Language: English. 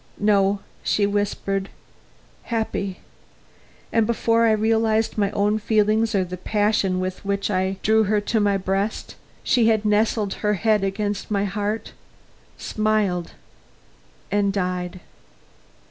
"No," she whispered, "happy." And before I realized my own feelings or the passion with which I drew her to my breast, she had nestled her head against my heart, smiled and died.